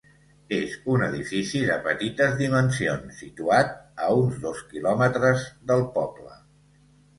És un edifici de petites dimensions situat a uns dos quilòmetres del poble.